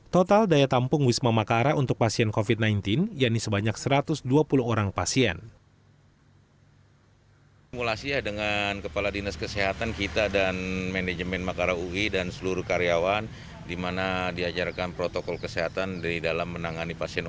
total daya tampung wisma makara untuk pasien covid sembilan belas yaitu sebanyak satu ratus dua puluh orang pasien